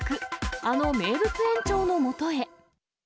あの名物園長のもとへ。